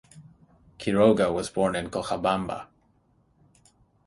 Quiroga was born in Cochabamba.